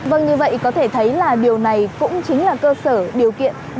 vâng như vậy có thể thấy là điều này cũng chính là cơ sở điều kiện